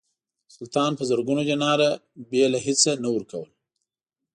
سلطان په زرګونو دیناره بېله هیڅه نه ورکول.